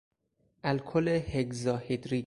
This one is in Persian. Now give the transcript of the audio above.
الکل هگزا هیدریک